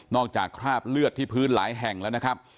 จากคราบเลือดที่พื้นหลายแห่งแล้วนะครับ